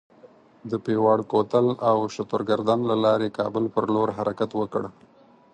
د پیواړ کوتل او شترګردن له لارې کابل پر لور حرکت وکړ.